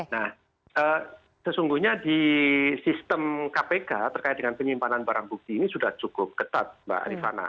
nah sesungguhnya di sistem kpk terkait dengan penyimpanan barang bukti ini sudah cukup ketat mbak rifana